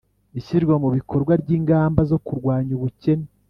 ishyirwa mu bikorwa ry'lngamba zo kurwanya ubukene